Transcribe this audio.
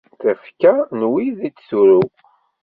Tafekka n win d-turew.